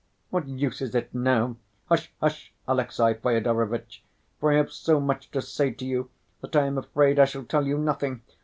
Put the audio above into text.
What use is it now? Hush, hush, Alexey Fyodorovitch, for I have so much to say to you that I am afraid I shall tell you nothing.